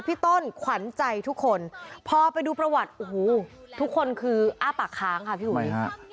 พี่ต้นขวัญใจทุกคนพอไปดูประวัติโอ้โหทุกคนคืออ้าปากค้างค่ะพี่อุ๋ย